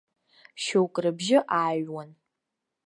Шьоук рыбжьы ааҩуан.